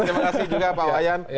terima kasih juga pak wayan